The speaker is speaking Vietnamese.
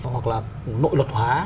hoặc là nội luật hóa